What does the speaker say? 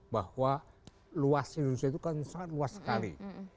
bahwa luas indonesia itu kan sangat luas sekali